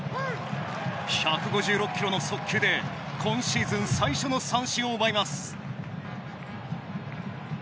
１５６キロの速球で今シーズン最初の三振を奪います。